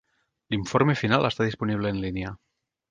L'informe final està disponible en línia.